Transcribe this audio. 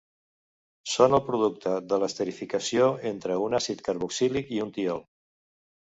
Són el producte de l'esterificació entre un àcid carboxílic i un tiol.